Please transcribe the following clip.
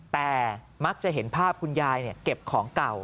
แต่มักจะเห็นภาพคุณยายเก็บของเก่า